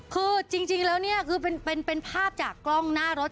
คือจริงแล้วเนี่ยคือเป็นภาพจากกล้องหน้ารถ